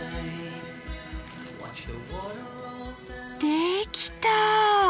できた！